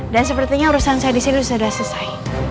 dan sepertinya urusan saya disini sudah selesai